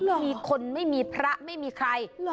ไม่มีคนไม่มีพระไม่มีใคร